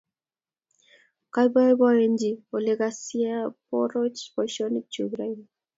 Kapoipoenji olekasiaporoch poisyonik chuk raini.